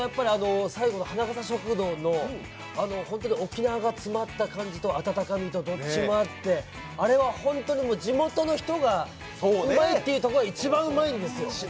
最後の花笠食堂の沖縄が詰まった感じと温かみと、どっちもあってあれはホントに地元の人がうまいって言うところが一番うまいんですよ。